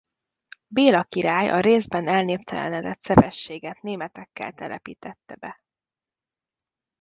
Béla király a részben elnéptelenedett Szepességet németekkel telepítette be.